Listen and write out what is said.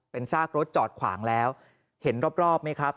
เป็นซากรถจอดขวางแล้วเห็นรอบไหมครับ